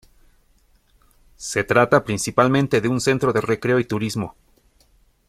Se trata principalmente de un centro de recreo y turismo.